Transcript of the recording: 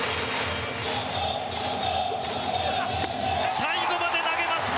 最後まで投げました。